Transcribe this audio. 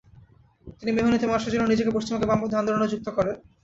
তিনি মেহনতি মানুষের জন্য নিজেকে পশ্চিমবঙ্গের বামপন্থী আন্দোলনে যুক্ত করেন।